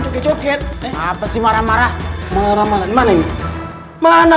coket coket apa sih marah marah marah marah mana